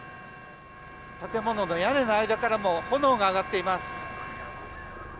建物の屋根の間からも炎が上がっています。